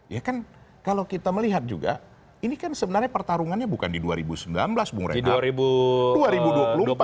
ya kan kalau kita melihat juga ini kan sebenarnya pertarungannya bukan di dua ribu sembilan belas bung renhard